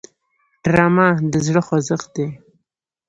ډرامه د زړه خوځښت دی